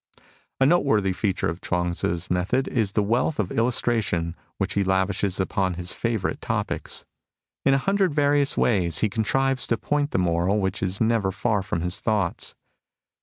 A noteworthy feature of Chuang Tzu's method is the wealth of illustration which he lavishes upon his favourite topics. In a hundred various ways he contrives to point the moral which is never far from his thoughts.